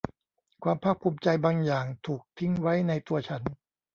ความภาคภูมิใจบางอย่างถูกทิ้งไว้ในตัวฉัน